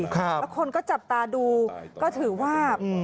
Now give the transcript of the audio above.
คนก็จับตาดูก็ถือว่า